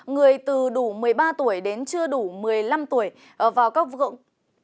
người từ đủ một mươi ba tuổi đến chưa đủ một mươi năm tuổi vào các vượng